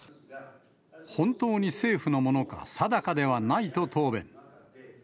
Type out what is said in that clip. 本当に政府のものか定かではないと答弁。